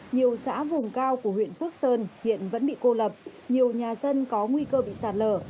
nhiều xã vùng cao của huyện phước sơn hiện vẫn bị cô lập nhiều nhà dân có nguy cơ bị sạt lở